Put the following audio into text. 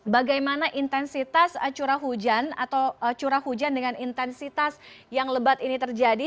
bagaimana intensitas curah hujan atau curah hujan dengan intensitas yang lebat ini terjadi